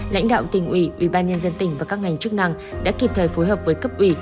lãnh đạo tỉnh ủy ubnd tỉnh và các ngành chức năng đã kịp thời phối hợp với cấp ủy